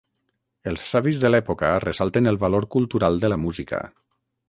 Els savis de l'època ressalten el valor cultural de la música.